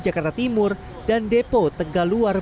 jakarta timur dan depo tegaluar